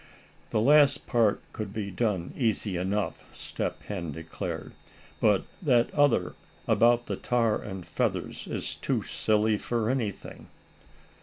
"The last part could be done easy enough," Step Hen declared; "but that other about the tar and feathers is too silly for anything."